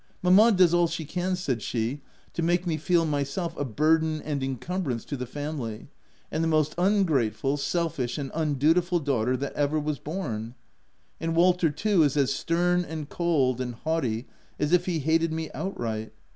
" Mamma does all she can/' said she, " to make me feel myself a burden and incumbrance to the family, and the most ungrateful, selfish, and undutiful daughter that ever was born; and Walter, too is as stern and cold, and haughty as if he hated me outright.